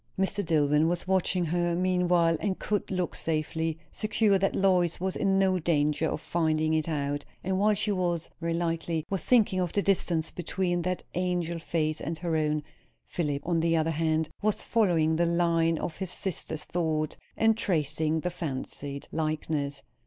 Mr. Dillwyn was watching her, meanwhile, and could look safely, secure that Lois was in no danger of finding it out; and while she, very likely, was thinking of the distance between that angel face and her own, Philip, on the other hand, was following the line of his sister's thought, and tracing the fancied likeness.